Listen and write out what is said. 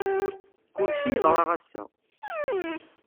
Kulci yeḍra ass-a.